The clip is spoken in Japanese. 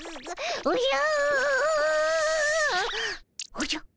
おじゃ？